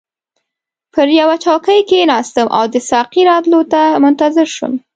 پر یوه چوکۍ کښیناستم او د ساقي راتلو ته منتظر شوم.